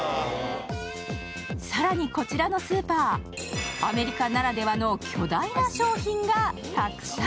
さらにこちらのスーパーアメリカならではの巨大な商品がたくさん。